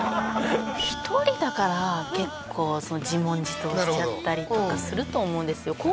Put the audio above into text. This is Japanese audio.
１人だから結構自問自答しちゃったりとかすると思うんですよ。